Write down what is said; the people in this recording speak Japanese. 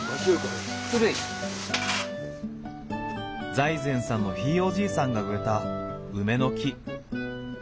財前さんのひいおじいさんが植えた梅の木。